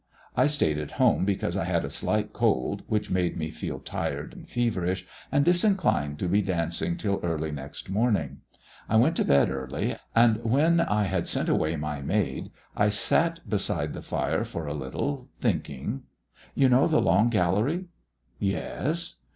I stayed at home because I had a slight cold, which made me feel tired and feverish, and disinclined to be dancing till early next morning. I went to bed early, and when I had sent away my maid I sat beside the fire for a little, thinking. You know the long gallery?" "Yes."